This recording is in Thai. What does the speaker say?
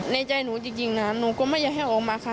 ในใจหนูจริงนะหนูก็ไม่อยากให้ออกมาค่ะ